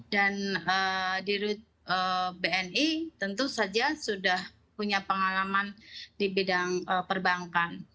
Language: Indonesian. dan di bni tentu saja sudah punya pengalaman di bidang perbankan